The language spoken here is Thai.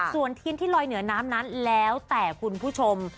ส่วนเทียนที่ลอยเหนือน้ำนั้นแล้วแต่คุณผู้ชม